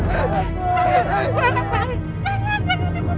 mama jangan papa